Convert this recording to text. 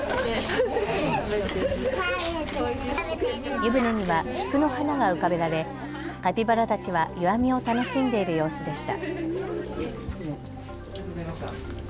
湯船には菊の花が浮かべられカピバラたちは湯あみを楽しんでいる様子でした。